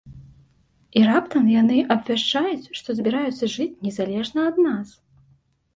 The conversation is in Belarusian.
І раптам яны абвяшчаюць, што збіраюцца жыць незалежна ад нас!